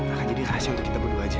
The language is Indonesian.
akan jadi rahasia untuk kita berdua aja